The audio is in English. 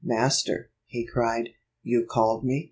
"Master," he cried, "you called me.